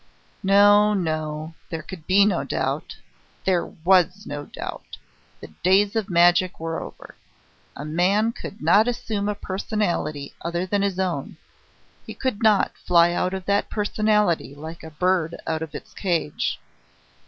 No, no! There could be no doubt! There was no doubt! The days of magic were over! A man could not assume a personality other than his own; he could not fly out of that personality like a bird out of its cage.